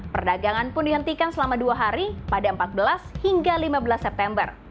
perdagangan pun dihentikan selama dua hari pada empat belas hingga lima belas september